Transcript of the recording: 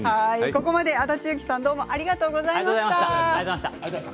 ここまで安達雄基さんありがとうございました。